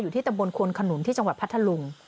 อยู่ที่ตะบนคนขนุนที่จังหวัดพัทธลุง